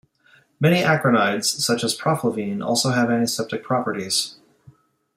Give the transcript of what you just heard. Many acridines, such as proflavine, also have antiseptic properties.